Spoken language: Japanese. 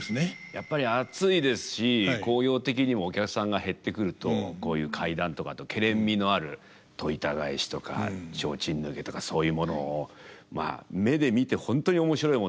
やっぱり暑いですし興行的にもお客さんが減ってくるとこういう怪談とかあとけれんみのある戸板返しとか提灯抜けとかそういうものをまあ目で見て本当に面白いもんでお客さんを呼ぼうっていう。